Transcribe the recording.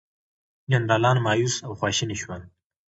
جنرالان مأیوس او خواشیني شول.